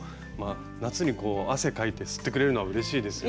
夏にこう汗かいて吸ってくれるのはうれしいですよね。